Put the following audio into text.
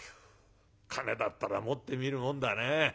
金だったら持ってみるもんだね。